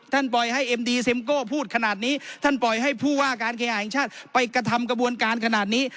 ปล่อยให้เอ็มดีเซ็มโก้พูดขนาดนี้ท่านปล่อยให้ผู้ว่าการเคหาแห่งชาติไปกระทำกระบวนการขนาดนี้